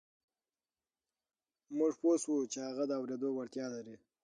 موږ پوه شوو چې هغه د اورېدو وړتیا لري